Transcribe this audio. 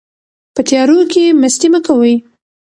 په تیارو کې مستي مه کوئ.